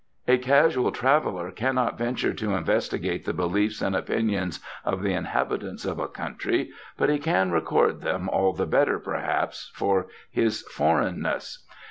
A casual traveller cannot venture to investigate the beliefs and opinions of the inhabitants of a country, but he can record them all the better, perhaps, for his foreign ness.